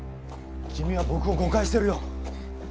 君は僕を誤解してるよ。